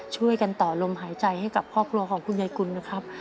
ช่วยกันต่อลมหายใจให้กับครอบครัวของคุณยายกุลนะครับ